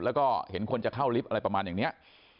แล้วก็เห็นคนจะเข้าลิฟต์อะไรประมาณอย่างนี้